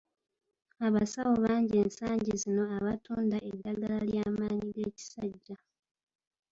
Abasawo bangi ensangi zino abatunda eddagala ly'amaanyi g'ekisajja.